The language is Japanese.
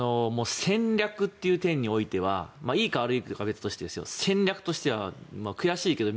戦略っていう点においてはいいか悪いかは別として戦略としては見事。